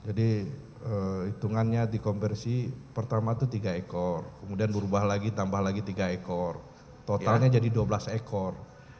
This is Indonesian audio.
jadi hitungannya di kompensi pertama itu tiga ekor kemudian berubah lagi tambah lagi tiga ekor totalnya jadi dua belas ekor